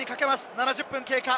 ７０分が経過。